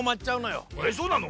えっそうなの？